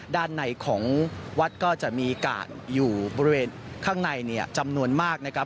ด้านในของวัดก็จะมีกาดอยู่บริเวณข้างในจำนวนมากนะครับ